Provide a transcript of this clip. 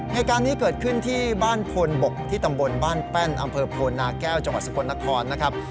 เหตุการณ์นี้เกิดขึ้นที่บ้านโพนบกที่ตำบลบ้านแป้นอำเภอโพนาแก้วจังหวัดสกลนครนะครับ